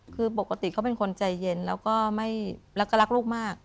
คือปกติเขาเป็นคนใจเย็นแล้วก็รักลูกมาก